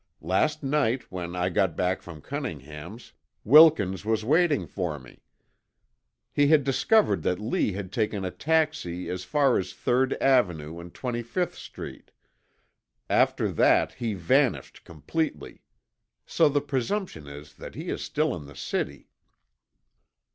Last night when I got back from Cunningham's, Wilkins was waiting for me. He had discovered that Lee had taken a taxi as far as Third Avenue and Twenty fifth Street. After that he vanished completely. So the presumption is that he is still in the city."